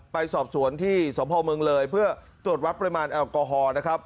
ไปสอบสวนที่สพเมืองเลยเพื่อตรวจวัดปริมาณแอลกอฮอล์นะครับ